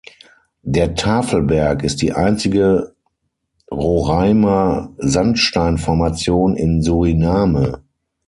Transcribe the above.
Der Tafelberg ist die einzige Roraima-Sandsteinformation in Suriname.